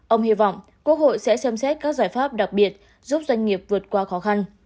ông hy vọng quốc hội sẽ xem xét các giải pháp đặc biệt giúp doanh nghiệp vượt qua khó khăn